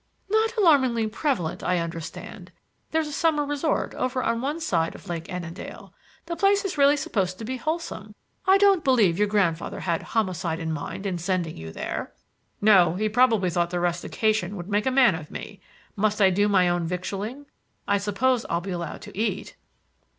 "Not alarmingly prevalent, I understand. There's a summer resort over on one side of Lake Annandale. The place is really supposed to be wholesome. I don't believe your grandfather had homicide in mind in sending you there." "No, he probably thought the rustication would make a man of me. Must I do my own victualing? I suppose I'll be allowed to eat."